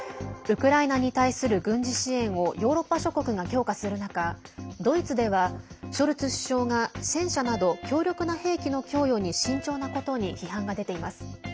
ウクライナに対する軍事支援をヨーロッパ諸国が強化する中ドイツではショルツ首相が戦車など強力な兵器の供与に慎重なことに批判が出ています。